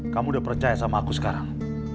kamu udah percaya sama aku sekarang